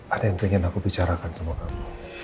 ada yang pengen aku bicarakan sama kamu